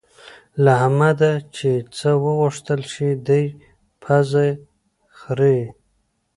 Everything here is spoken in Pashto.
له احمده چې څه وغوښتل شي؛ دی پزه خرېي.